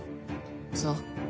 そう。